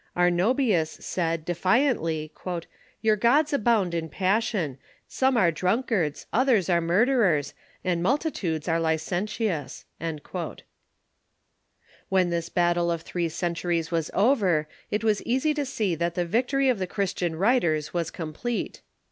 Arnobius said, defiantly: " Your gods abound in passion ; some are drunkards, others are murderers, and multitudes are licentious." When this battle of three centuries was over it was easy to see that the victory of the Christian writers was complete.